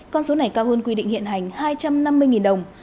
con số này cao hơn quy định hiện hành hai trăm năm mươi đồng